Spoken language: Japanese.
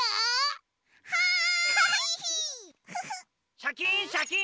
シャキンシャキーン！